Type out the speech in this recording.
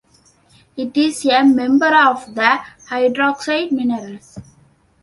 It is a member of the hydroxide minerals.